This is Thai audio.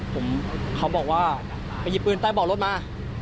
ผมเขาบอกว่าไปหยิบปืนใต้เบาะรถมา